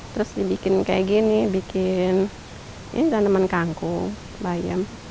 terus dibuat seperti ini ini tanaman kanku bayam